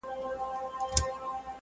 ملک باری کاکړ د پنجاب غلام دی